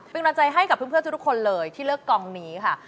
เป็นกำลังใจให้กับเพื่อนทุกคนเลยที่เลือกกองนี้ค่ะ